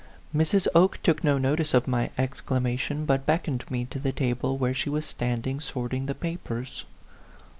Mrs. Oke took no notice of my exclama tion, but beckoned me to the table where she was standing sorting the papers.